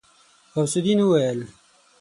غوث الدين وويل.